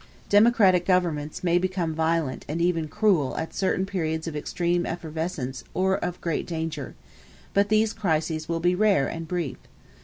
Democratic governments may become violent and even cruel at certain periods of extreme effervescence or of great danger: but these crises will be rare and brief.